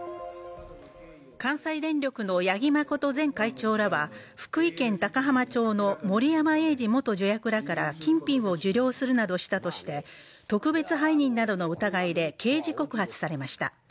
関西電力の八木誠前会長らは、福井県高浜町の森山栄治元助役らから金品を受領するなどしたとして特別背任などの疑いで刑事告発されました。